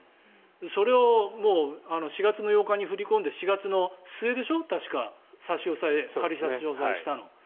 それを４月の８日に振り込んで４月の末でしょ、確か仮差し押さえをしたの。